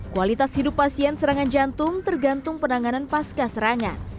kualitas hidup pasien serangan jantung tergantung penanganan pasca serangan